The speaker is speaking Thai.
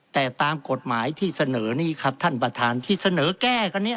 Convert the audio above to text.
แต่ตามกฎหมายที่เสนอนี่ครับท่านประธานที่เสนอแก้กันเนี่ย